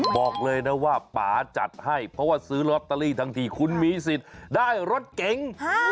บอกเลยนะว่าป่าจัดให้เพราะว่าซื้อลอตเตอรี่ทั้งทีคุณมีสิทธิ์ได้รถเก๋ง